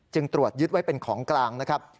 ตรวจยึดไว้เป็นของกลางนะครับ